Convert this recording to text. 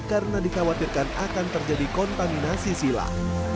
karena dikhawatirkan akan terjadi kontaminasi silam